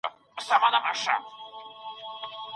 د کرېکټ په برخه کي هند د افغانستان سره څه مرسته کړې؟